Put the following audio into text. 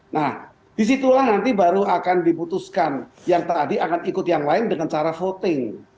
nah disitulah nanti baru akan diputuskan yang tadi akan ikut yang lain dengan cara voting